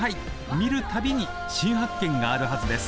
見るたびに新発見があるはずです。